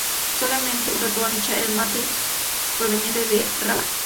Solamente se contrató a Michael Matthews, proveniente del Rabobank.